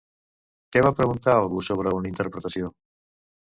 Què va preguntar algú sobre una interpretació?